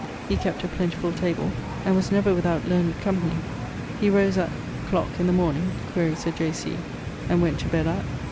He kept a plentifull table, and was never without learned company. He rose at ... clock in the morning (quaere Sir J. C.[BM]) and went to bed at....